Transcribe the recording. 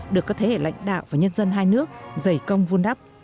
được các thế hệ lãnh đạo và nhân dân hai nước dày công vun đắp